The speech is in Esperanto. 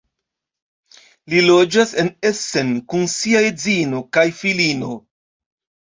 Li loĝas en Essen kun sia edzino kaj filino.